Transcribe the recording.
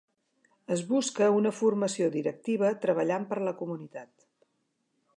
Es busca una formació directiva treballant per la comunitat.